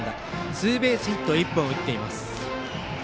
ツーベースヒット１本を打っています。